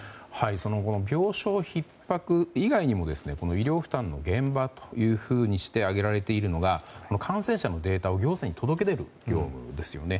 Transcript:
病床ひっ迫意外にも医療負担の現場として挙げられているのが感染者のデータを行政に届ける業務ですよね。